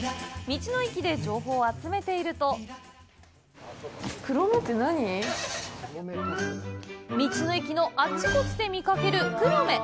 道の駅で情報を集めていると道の駅のあちこちで見かけるクロメ。